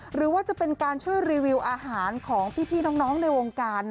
หรือว่าจะเป็นการช่วยรีวิวอาหารของพี่น้องในวงการ